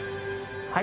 はい。